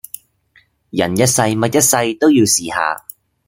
人一世物一世都要試下